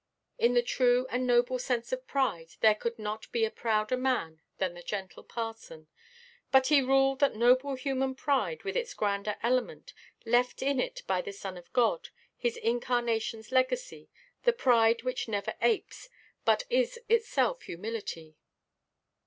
In the true and noble sense of pride, there could not be a prouder man than the gentle parson. But he ruled that noble human pride with its grander element, left in it by the Son of God, His incarnationʼs legacy, the pride which never apes, but is itself humility.